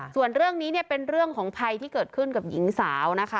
ส่วนเรื่องนี้เนี่ยเป็นเรื่องของภัยที่เกิดขึ้นกับหญิงสาวนะคะ